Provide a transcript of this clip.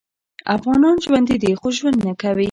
افغانان ژوندي دې خو ژوند نکوي